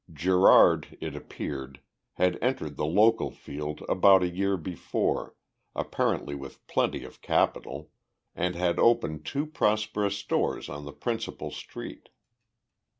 Gerard, it appeared, had entered the local field about a year before, apparently with plenty of capital, and had opened two prosperous stores on the principal street.